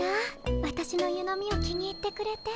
わたしの湯飲みを気に入ってくれて。